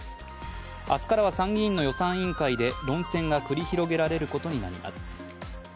明日からは参議院の予算委員会で論戦が繰り広げられることになります。